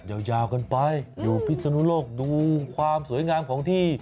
ยาวกันไปอยู่พิศนุโลกดูความสวยงามของที่